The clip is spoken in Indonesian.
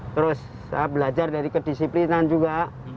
terus saya belajar dari kedisiplinan juga